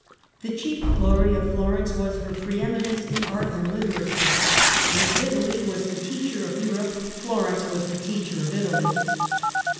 The chief glory of Florence was her pre eminence in art and literature. If Italy was the teacher of Europe, Florence was the teacher of Italy.